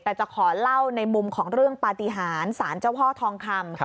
แต่จะขอเล่าในมุมของเรื่องปฏิหารสารเจ้าพ่อทองคำ